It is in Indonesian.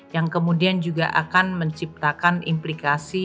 yang kemudian juga akan menciptakan implikasi